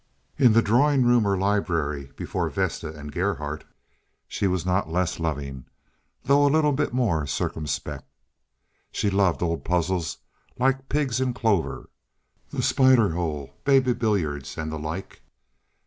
In the drawing room or library, before Vesta and Gerhardt, she was not less loving, though a little more circumspect. She loved odd puzzles like pigs in clover, the spider's hole, baby billiards, and the like.